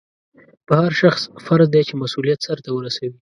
په هر شخص فرض دی چې مسؤلیت سرته ورسوي.